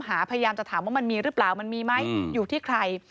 พยายามจะถามว่ามันมีหรือเปล่ามันมีไหมอยู่ที่ใคร